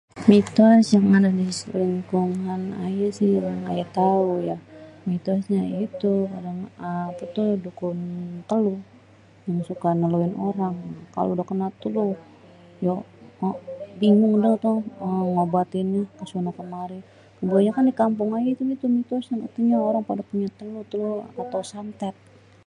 Mitos yang ade di lingkungan ayé si yang ayé tau ya, mitosnye ya itu apé tuh dukun teluh yang suka neluhin orang, kalo udah kena teluh bingung banget ngobatinnye ke sono-kemari dikampung ayé mitosnyé orang pade punya teluh, teluh atu santet.